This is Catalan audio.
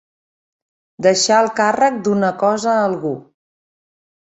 Deixar el càrrec d'una cosa a algú.